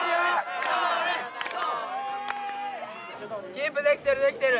キープできてるできてる！